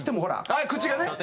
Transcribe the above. はい口がね。